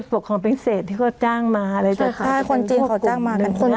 ปกครองเพ่งเศษที่เขาจ้างมาใช่ค่ะคนจีนเขาจ้างมา